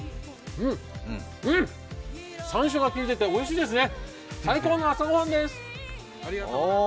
うん、山椒が効いてておいしいですね。